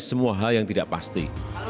semua hal yang tidak pasti